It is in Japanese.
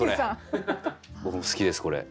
僕も好きですこれ。